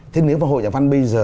thế nếu mà hội nhà văn bây giờ